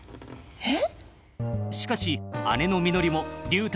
えっ？